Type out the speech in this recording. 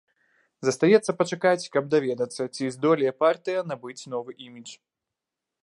Застаецца пачакаць, каб даведацца, ці здолее партыя набыць новы імідж.